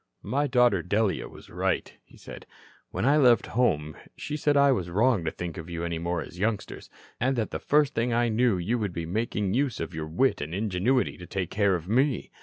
"My daughter Delia was right," he said. "When I left home she said I was wrong to think of you any more as youngsters, and that the first thing I knew you would be making use of your wit and ingenuity to take care of me.